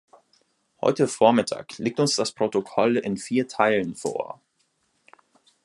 Heute vormittag liegt uns das Protokoll in vier Teilen vor.